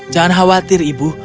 jangan khawatir ibu